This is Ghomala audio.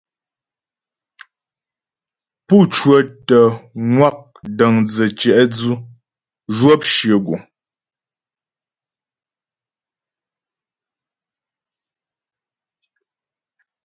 Pú cwətə ŋwa' dəndzə̀ tyɛ̌'dzʉ zhwɔp shyə guŋ.